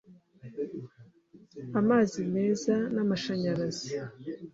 amazi meza n’amashanyarazi,